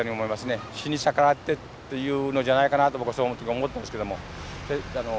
死に逆らってというのじゃないかなと僕その時思ったんですけども。